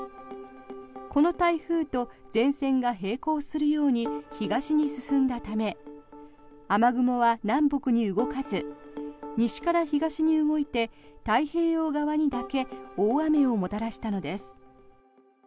この台風と前線が並行するように東に進んだため雨雲は南北に動かず西から東に動いて太平洋側にだけ大雨をもたらしたのです。